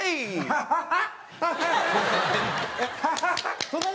ハハハハ！